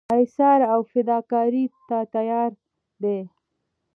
ایثار او فداکارۍ ته تیار دي.